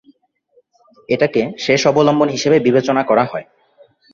এটাকে শেষ অবলম্বন হিসেবে বিবেচনা করা হয়।